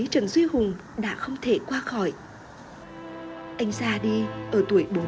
trong lúc đối tượng thì đồng chí trần duy hùng đã dùng dao đâm nhu nhạc vào đồng chí hùng